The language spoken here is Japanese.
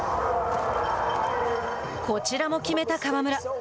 こちらも決めた川村。